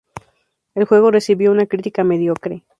El juego recibió una crítica mediocre.